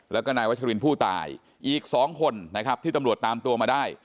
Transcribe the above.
แล้วก็นายวัชรินผู้ตายอีก๒คนนะครับที่ตำรวจตามตัวมาได้